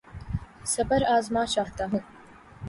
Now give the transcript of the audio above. صبر آزما چاہتا ہوں